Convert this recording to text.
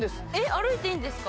歩いていいんですか？